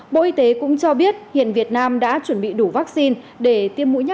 bộ y tế cũng cho biết hiện việt nam đã chuẩn bị đủ vaccine để tiêm mũi nhọc